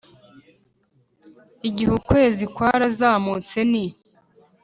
igihe ukwezi kwarazamutse ni